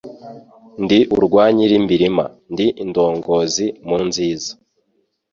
Ndi urwa Nyirimbirima ndi indongozi mu nziza